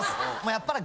やっぱり。